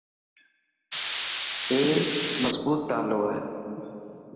اي خربوت تالو هي.